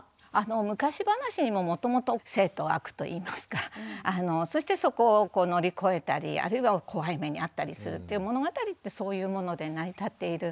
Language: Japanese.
昔話にももともと正と悪といいますかそしてそこを乗り越えたりあるいは怖い目に遭ったりするっていう物語ってそういうもので成り立っている。